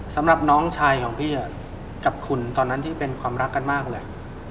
สำหรับน้องชายของพี่กับคุณตอนนั้นที่เป็นความรักกันมากเลย